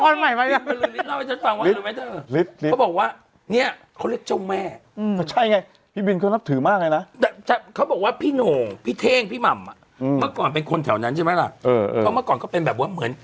เขาเรียกว่าเจ้าบินบรือรักเรียกว่าอะไร